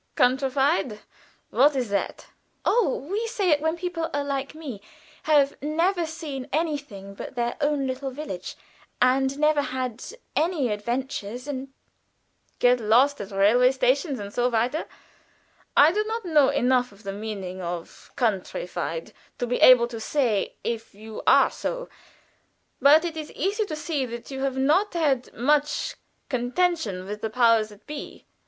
"Countrified what is that?" "Oh, we say it when people are like me have never seen anything but their own little village, and never had any adventures, and " "Get lost at railway stations, und so weiter. I don't know enough of the meaning of 'countrified' to be able to say if you are so, but it is easy to see that you have not had much contention with the powers that be."